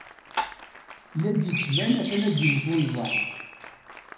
La d-yettban atan ad d-iwet unẓar.